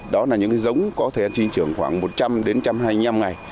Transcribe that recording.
đó là những giống có thể truyền trưởng khoảng một trăm linh một trăm hai mươi năm ngày